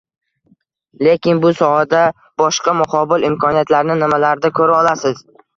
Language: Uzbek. Lekin bu sohada boshqa muqobil imkoniyatlarni nimalarda koʻra olasiz?